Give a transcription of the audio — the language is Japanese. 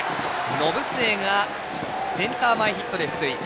延末がセンター前ヒットで出塁。